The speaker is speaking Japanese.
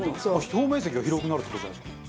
表面積が広くなるって事じゃないですか？